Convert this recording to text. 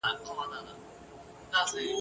بیرته سم پر لار روان سو ګړندی سو ..